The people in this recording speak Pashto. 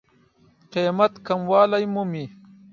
قېمت کموالی مومي.